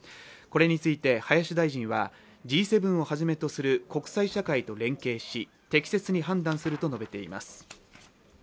これについて林大臣は「Ｇ７をはじめとする国際社会と連携し適切に判断する」と述べています